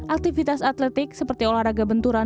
aktivitas atletik seperti olahraga benturan